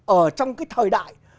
ở trong cái thời đại